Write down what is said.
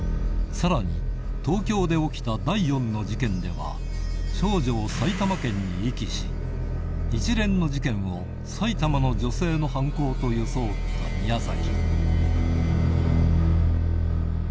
さらに東京で起きた第４の事件では少女を埼玉県に遺棄し一連の事件を埼玉の女性の犯行と装った宮崎